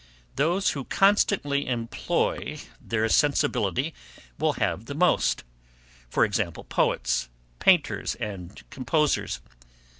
Those who constantly employ their sensibility will have most: for example; poets, painters, and composers.